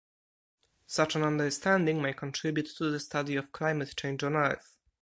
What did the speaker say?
Such an understanding may contribute to the study of climate change on Earth.